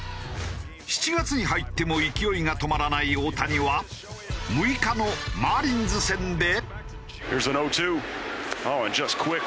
７月に入っても勢いが止まらない大谷は６日のマーリンズ戦で。